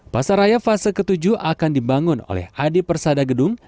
pasaraya fase ketujuh akan dibangun oleh adi persadagedung